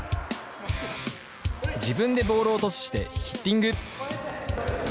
自分でボールをトスしてヒッティング。